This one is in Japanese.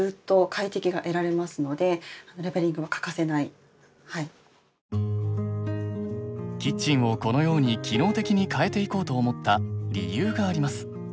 手間ではあるんですけれどもキッチンをこのように機能的に変えていこうと思った理由があります。